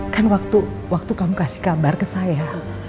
kan waktu kamu kasih kabar ke saya